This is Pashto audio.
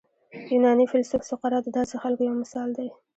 یوناني فیلسوف سقراط د داسې خلکو یو مثال دی.